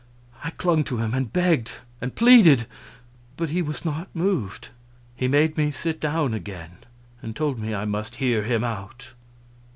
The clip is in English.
I clung to him and begged and pleaded, but he was not moved. He made me sit down again, and told me I must hear him out.